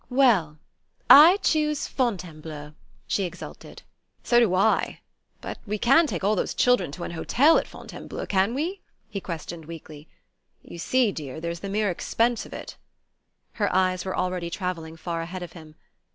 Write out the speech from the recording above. "Well I choose Fontainebleau!" she exulted. "So do I! But we can't take all those children to an hotel at Fontainebleau, can we?" he questioned weakly. "You see, dear, there's the mere expense of it " Her eyes were already travelling far ahead of him.